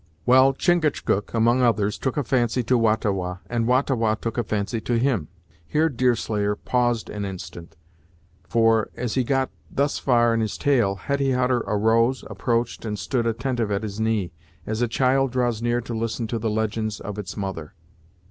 Well, Chingachgook, among others, took a fancy to Wah ta Wah, and Wah ta Wah took a fancy to him." Here Deerslayer paused an instant; for, as he got thus far in his tale, Hetty Hutter arose, approached, and stood attentive at his knee, as a child draws near to listen to the legends of its mother.